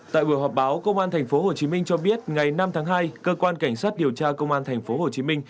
tại buổi họp báo công an tp hcm cho biết ngày năm tháng hai cơ quan cảnh sát điều tra công an tp hcm